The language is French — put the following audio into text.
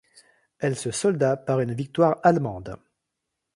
Elle se solda par une victoire allemande.